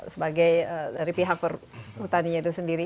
sebagai dari pihak perhutaninya itu sendiri